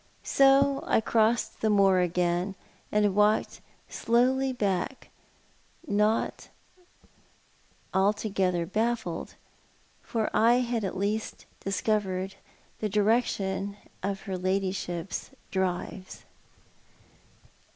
So I crossed the moor again, and walked slowly back, not altogether baffled, for I had at least discovered the direction of her lady ship's drive.